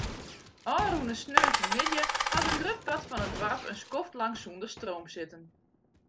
Ofrûne saterdeitemiddei hat in grut part fan it doarp in skoftlang sûnder stroom sitten.